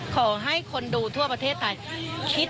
มีความว่ายังไง